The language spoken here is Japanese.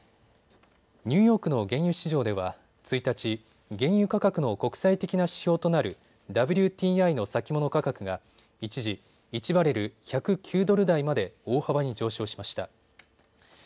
ニューヨークの原油市場では１日、原油価格の国際的な指標となるＷＴＩの先物価格が一時、１バレル１０９ドル台まで大幅に上昇しました。